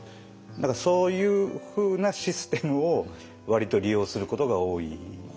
だからそういうふうなシステムを割と利用することが多いですね。